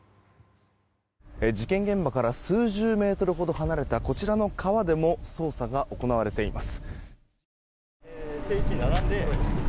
事件現場から数十メートルほど離れたこちらの川でも捜査が行われています。